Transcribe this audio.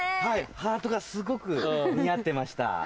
ハートがすごく似合ってました。